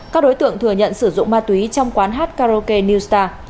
các đối tượng thừa nhận sử dụng ma túy trong quán hát karaoke new star